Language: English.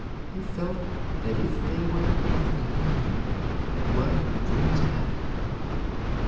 He felt that if there were anything in him work would bring it out.